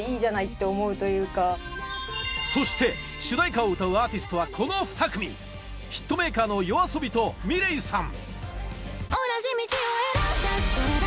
そして主題歌を歌うアーティストはこの２組ヒットメーカーのＹＯＡＳＯＢＩとｍｉｌｅｔさん